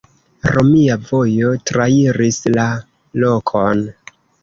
Romia vojo trairis la lokon.